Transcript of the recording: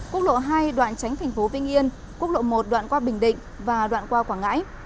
quốc lộ hai đoạn tránh thành phố vinh yên quốc lộ một đoạn qua bình định và đoạn qua quảng ngãi